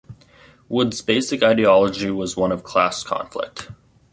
Wood's basic ideology was one of class conflict.